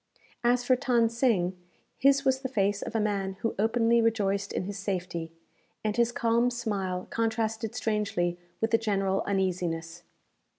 As for Than Sing, his was the face of a man who openly rejoiced in his safety, and his calm smile contrasted strangely with the general uneasiness.